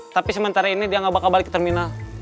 tapi sementara ini dia nggak bakal balik ke terminal